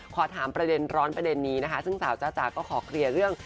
ขอถามประเด็นร้อนประเด็นนี้นะคะซึ่งสาวจ้าจ๋าก็ขอเคลียร์เรื่อง